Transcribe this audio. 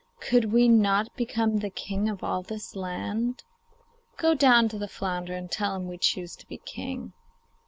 Could we not become the king of all this land? Go down to the flounder and tell him we choose to be king.